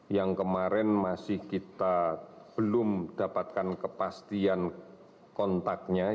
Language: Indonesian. yang kemarin masih kita belum dapatkan kepastian kontaknya